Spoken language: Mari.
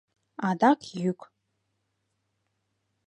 Адак йӱк.